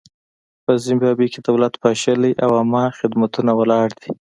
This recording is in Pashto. په زیمبابوې کې دولت پاشلی او عامه خدمتونه ولاړ دي.